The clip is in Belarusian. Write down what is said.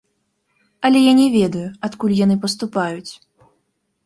Але я не ведаю, адкуль яны паступаюць.